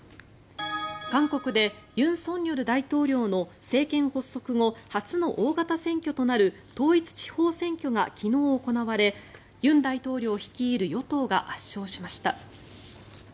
韓国で尹錫悦大統領の政権発足後初の大型選挙となる統一地方選挙が昨日行われ尹大統領率いる与党が圧勝しました。